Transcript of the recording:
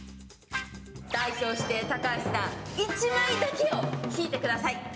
代表して高橋さん、１枚だけを引いてください。